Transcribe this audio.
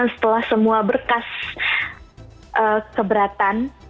setelah semua berkas keberatan